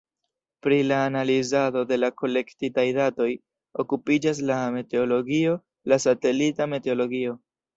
Pri la analizado de la kolektitaj datoj okupiĝas la meteologio, la satelita meteologio.